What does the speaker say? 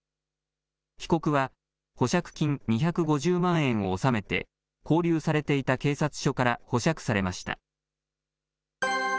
被告は、保釈金２５０万円を納めて、勾留されていた警察署から保釈されました。